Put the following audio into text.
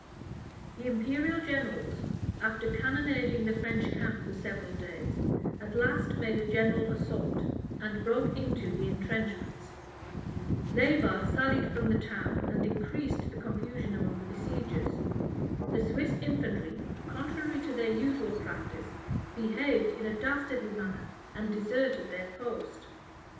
The imperial generals, after cannonading the French camp for several days, at last made a general assault, and broke into the intrenchments. Leyva sallied from the town, and increased the confusion among the besiegers. The Swiss infantry, contrary to their usual practice, behaved in a dastardly manner, and deserted their post.